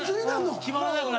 決まらなくなって。